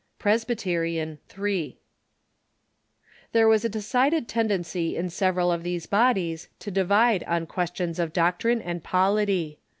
Presbyterian, 3.* There was a decided tendency in several of these bodies to divide on questions of doctrine and polity.